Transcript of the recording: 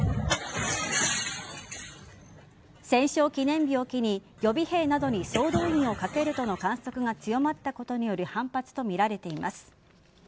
戦勝記念日を機に予備兵などに総動員をかけるとの観測が強まったことへの反発とみられています。